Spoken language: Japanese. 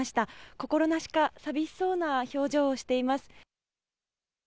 心なしか寂しそうな表情をしています。